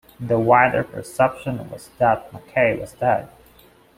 The wider perception was that Mackay was dead.